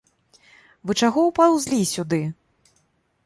Вы чаго ўпаўзлі сюды?